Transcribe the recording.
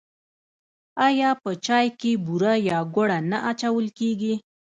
آیا په چای کې بوره یا ګوړه نه اچول کیږي؟